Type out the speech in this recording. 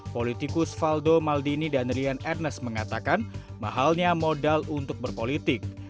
politikus faldo maldini dan rian ernest mengatakan mahalnya modal untuk berpolitik